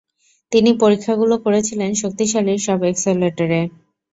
তিনি পরীক্ষাগুলো করেছিলেন শক্তিশালী সব এক্সিলেটরে।